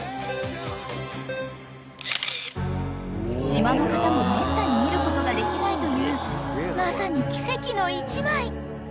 ［島の方もめったに見ることができないというまさに奇跡の１枚］